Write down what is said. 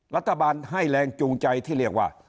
รัฐบาลให้แรงจูงใจที่เรียกว่า